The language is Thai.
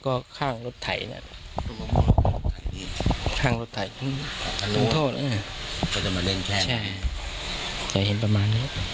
ความคิดอย่างไรที่หมอปลา